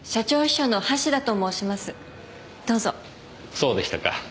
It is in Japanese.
そうでしたか。